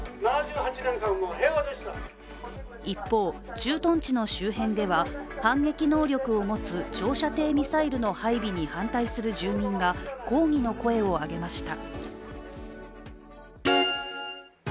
一方、駐屯地の周辺では反撃能力を持つ長射程ミサイルの配備に反対する住民が抗議の声を上げました。